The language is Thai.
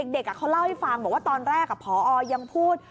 เด็กเขาเล่าให้ฟังบอกว่าตอนแรกพอยังพูด